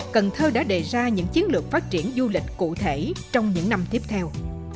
cần thơ đã đề ra những chiến lược phát triển du lịch cụ thể trong những năm tiếp theo